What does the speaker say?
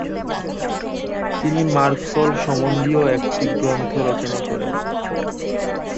তিনি মার্গফল সম্বন্ধীয় একটি গ্রন্থ রচনা করেন।